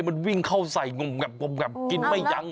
เหยียกปูนให้มันวิ่งเข้าใส่งงกับกินไม่ยัง